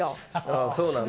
ああそうなの。